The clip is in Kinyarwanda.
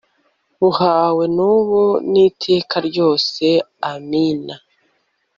bubahwe n'ubu n'iteka ryose. amina